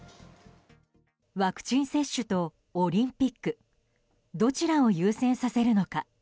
ワクチン接種とオリンピックどちらを優先させるのか。